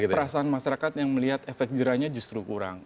perasaan masyarakat yang melihat efek jerahnya justru kurang